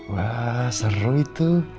wah seru itu